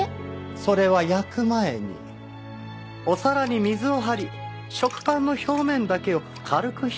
それは焼く前にお皿に水を張り食パンの表面だけを軽く浸します。